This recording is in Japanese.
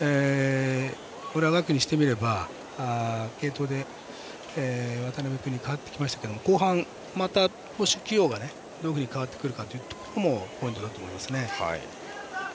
浦和学院にしてみれば継投で渡邉君に代わってきましたが後半、また投手起用がどう変わってくるかもポイントだと思います。